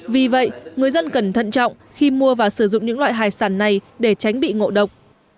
vì vậy người dân cần thận trọng khi mua và sử dụng những loại hải sản này để tránh bị ngộ độc